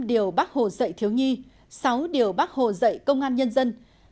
năm điều bác hồ dạy thiếu nhi sáu điều bác hồ dạy công an nhân dân